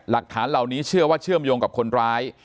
หลักฐานเหล่านี้เชื่อว่าเชื่อมโยงกับคนร้าย